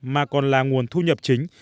mà còn là nguồn thu nhập chính